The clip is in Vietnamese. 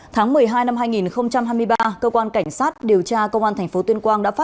tháng một mươi hai năm hai nghìn hai mươi ba cơ quan cảnh sát điều tra công an thành phố tuyên quang